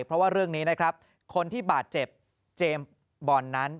เพราะว่าเรื่องนี้นะครับคนที่บาดเจ็บเจมส์บอลนั้น